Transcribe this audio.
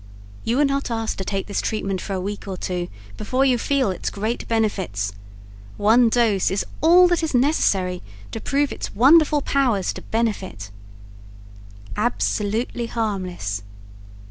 You are not asked to take this treatment for a week or two before you feel its great benefits. One dose is all that is necessary to prove its wonderful powers to benefit. Absolutely harmless.